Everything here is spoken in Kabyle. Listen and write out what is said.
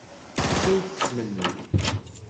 D acu ay tettmenni?